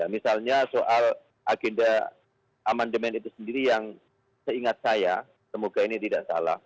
misalnya soal agenda amendement itu sendiri yang seingat saya semoga ini tidak salah